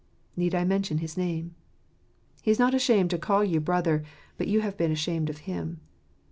Need I mention his name? He is not ashamed to call you brother; but you have been ashamed of Him.